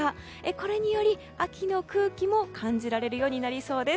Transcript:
これにより秋の空気も感じられるようになりそうです。